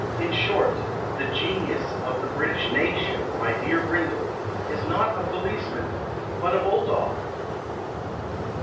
In short, The genius of the British nation, My dear Brindle, Is not a policeman But a Bulldog.